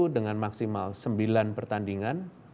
dengan maksimal sembilan pertandingan